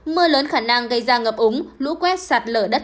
mưa lớn khả năng gây ra ngập úng lũ quét sạt lở đất